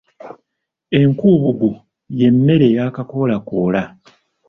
Enkubuggu y’emmere eyaakakoolakoola.